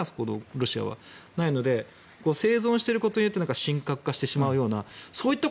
ロシアはないので生存していると神格化してしまうような